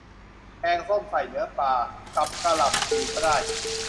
แกงส้ม ใส่เนื้อปลา กับกะหล่ำปลีก็ได้